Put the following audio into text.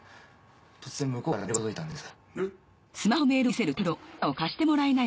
突然向こうからメールが届いたんです。